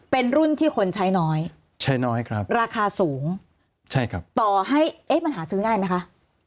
เป็นรุ่นที่คนใช้น้อยใช้น้อยครับราคาสูงใช่ครับต่อให้เอ๊ะมันหาซื้อง่ายไหมคะ